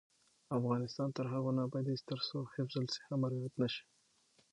افغانستان تر هغو نه ابادیږي، ترڅو حفظ الصحه مراعت نشي.